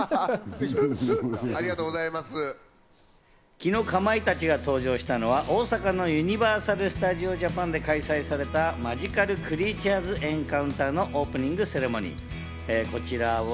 昨日、かまいたちが登場したのは、大阪のユニバーサル・スタジオ・ジャパンで開催された、マジカル・クリーチャーズ・エンカウンターのオープニングセレモニー。